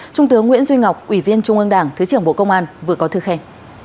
trung tướng nguyễn duy ngọc ủy viên trung ương đảng thứ trưởng bộ công an vừa có thư khen